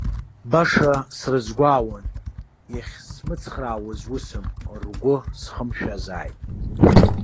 Баша срызгәаауан, иахьсмыцхраауаз усым, ргәы схымшәазааит.